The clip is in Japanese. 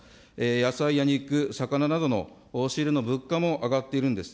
野菜や肉、魚などの仕入れの物価も上がっているんです。